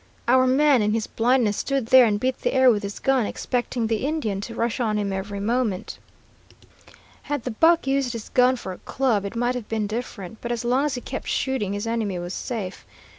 Our man, in his blindness, stood there and beat the air with his gun, expecting the Indian to rush on him every moment. Had the buck used his gun for a club, it might have been different, but as long as he kept shooting, his enemy was safe.